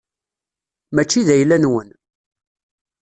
Mačči d ayla-nwen.